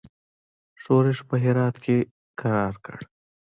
ښورښ په هرات کې کرار کړ.